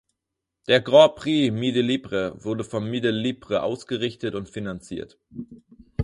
Der Grand Prix Midi Libre wurde vom Midi Libre ausgerichtet und finanziert.